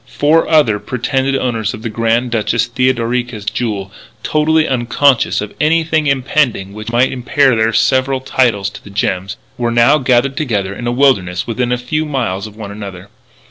Four other pretended owners of the Grand Duchess Theodorica's jewels, totally unconscious of anything impending which might impair their several titles to the gems, were now gathered together in a wilderness within a few miles of one another.